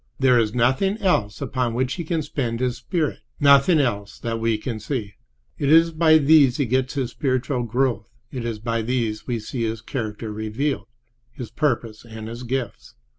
There is nothing else upon which he can spend his spirit—nothing else that we can see. It is by these he gets his spiritual growth; it is by these we see his character revealed, his purpose and his gifts.